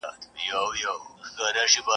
په همدې تنګو دروکي !.